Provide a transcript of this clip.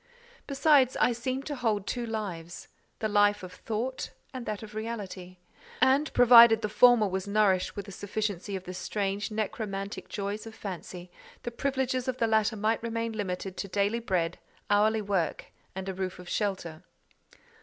Besides, I seemed to hold two lives—the life of thought, and that of reality; and, provided the former was nourished with a sufficiency of the strange necromantic joys of fancy, the privileges of the latter might remain limited to daily bread, hourly work, and a roof of shelter.